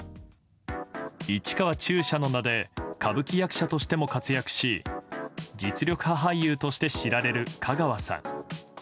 市川中車の名で歌舞伎役者としても活躍し実力派俳優として知られる香川さん。